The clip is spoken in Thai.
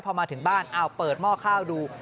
พอมาถึงบ้านเปิดหม้อข้าวดู